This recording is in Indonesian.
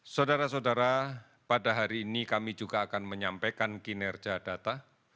saudara saudara pada hari ini kami juga akan menyampaikan kinerja data